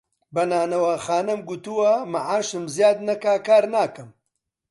بە نانەواخانەم گوتووە مەعاشم زیاد نەکا کار ناکەم